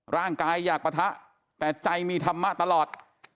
อยากปะทะแต่ใจมีธรรมะตลอด